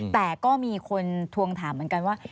แต่ก็มีคนทวงถามเหมือนกันว่า